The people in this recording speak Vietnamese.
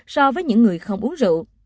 so với những người không uống rượu